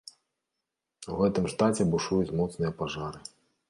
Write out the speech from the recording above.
У гэтым штаце бушуюць моцныя пажары.